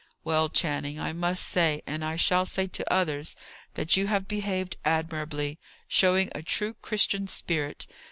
"Well, Channing, I must say, and I shall say to others, that you have behaved admirably; showing a true Christian spirit.